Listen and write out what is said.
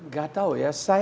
gak tau ya